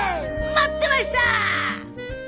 待ってましたー！